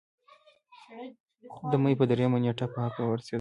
د مۍ پۀ دريمه نېټه پۀ حق اورسېدو